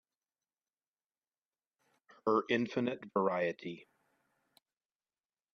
Her infinite variety